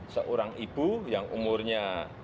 seorang ibu yang umurnya